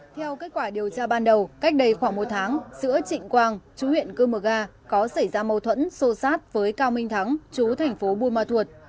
theo kết quả điều tra ban đầu cách đây khoảng một tháng giữa trịnh quang chú huyện cư mờ ga có xảy ra mâu thuẫn sô sát với cao minh thắng chú thành phố buôn ma thuột